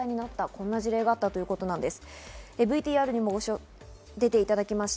こんな事例があったということなんです。